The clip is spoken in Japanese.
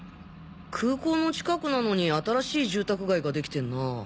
空港の近くなのに新しい住宅街ができてるな。